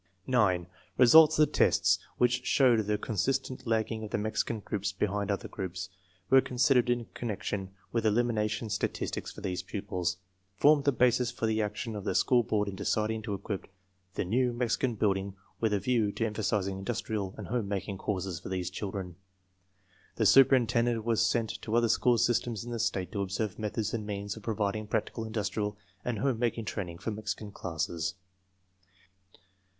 9. Results of the tests which showed the consistent I lagging of the Mexican groups behind other groups, when considered in connection with elimination sta tistics for these pupils, formed the basis for the action of the school board in deciding to equip the new Mexi can building with a view to emphasizing industrial and u 98 TESTS AND SCHOOL REORGANIZATION home making courses for these children. The superin tendent was sent to other school systems in the state to observe methods and means of providing practical industrial and home making training for Mexican classes.